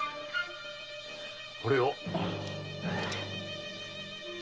これを。